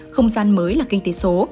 không gian mới là kinh tế số